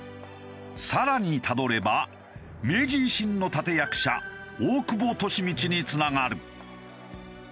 更にたどれば明治維新の立役者大久保利通につながる。